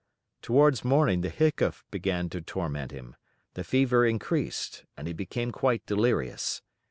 Towards morning the hiccough began to torment him, the fever increased, and he became quite delirious.